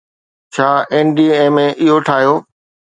ڇا NDMA اهو ٺاهيو؟